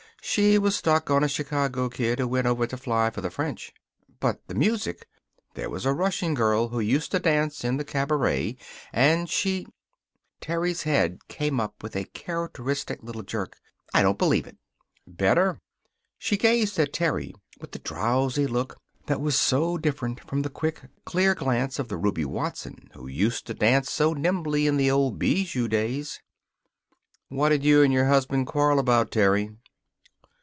She was stuck on a Chicago kid who went over to fly for the French." "But the music?" "There was a Russian girl who used to dance in the cabaret and she " Terry's head came up with a characteristic little jerk. "I don't believe it!" "Better." She gazed at Terry with the drowsy look that was so different from the quick, clear glance of the Ruby Watson who used to dance so nimbly in the old Bijou days. "What'd you and your husband quarrel about, Terry?"